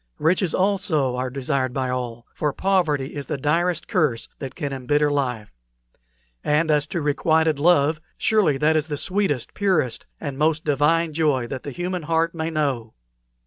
Riches also are desired by all, for poverty is the direst curse that can embitter life; and as to requited love, surely that is the sweetest, purest, and most divine joy that the human heart may know."